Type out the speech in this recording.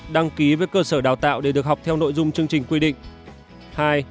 đăng ký với cơ sở đào tạo để được học theo nội dung chương trình quy định